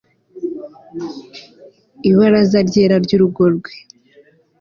Ibaraza ryera ryurugo rwe